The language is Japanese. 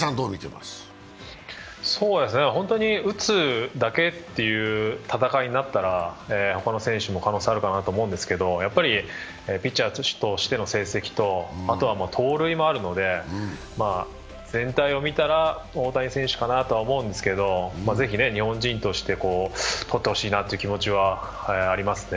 打つだけっていう戦いになったら他の選手も可能性あるかなと思うんですけど、ピッチャーとしての成績とあとは盗塁もあるので、全体を見たら大谷選手かなと思うんですけどぜひ日本人として取ってほしいなという気持ちはありますね。